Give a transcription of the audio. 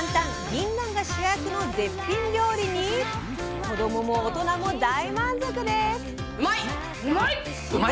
ぎんなんが主役の絶品料理に子どもも大人も大満足です。